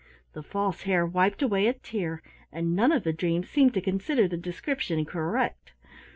The False Hare wiped away a tear, and none of the dreams seemed to consider the description correct.